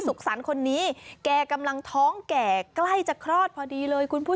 สรรค์คนนี้แกกำลังท้องแก่ใกล้จะคลอดพอดีเลยคุณผู้